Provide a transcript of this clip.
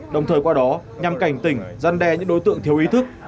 đồng thời qua đó nhằm cảnh tỉnh gian đe những đối tượng thiếu ý thức